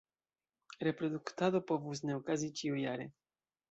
Reproduktado povus ne okazi ĉiujare.